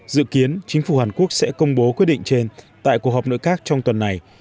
dự kiến chính phủ hàn quốc sẽ công bố quyết định trên tại cuộc họp nội các trong tuần này